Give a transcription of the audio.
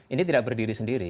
ini tidak berdiri sendiri